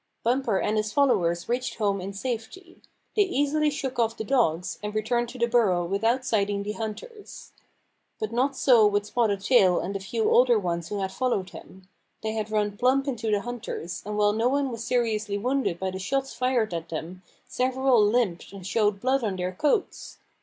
Bumper and his followers reached home in safety. They easily shook off the dogs, and re turned to the burrow without sighting the hunters. But not so with Spotted Tail and the few older ones who had followed him. They had run plump into the hunters, and while no one was seriously wounded by the shots fired at them several limped and showed blood on their coats.